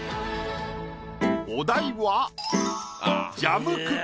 お題は。